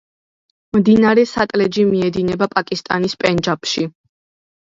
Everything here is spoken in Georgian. მდინარე სატლეჯი მიედინება პაკისტანის პენჯაბში.